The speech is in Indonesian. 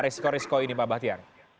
risiko risiko ini pak bahtiar